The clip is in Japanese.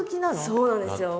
そうなんですよ。